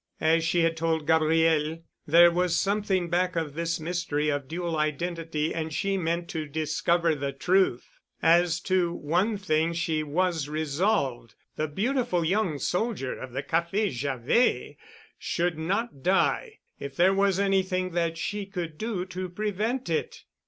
As she had told Gabriel, there was something back of this mystery of dual identity, and she meant to discover the truth. As to one thing she was resolved, the beautiful young soldier of the Café Javet should not die, if there was anything that she could do to prevent it.